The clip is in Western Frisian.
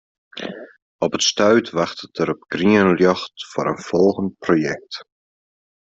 Op it stuit wachtet er op grien ljocht foar in folgjend projekt.